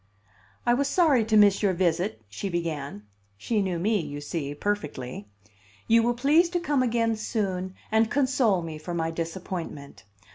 "I was sorry to miss your visit," she began (she knew me, you see, perfectly); "you will please to come again soon, and console me for my disappointment.